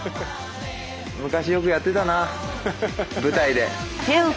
昔よくやってたな舞台で。